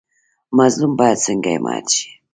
مظلوم باید څنګه حمایت شي؟